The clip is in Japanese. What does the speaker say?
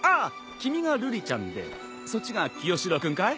君が瑠璃ちゃんでそっちが清司郎君かい？